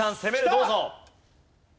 どうぞ。